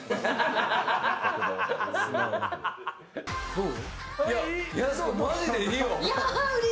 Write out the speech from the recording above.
どう？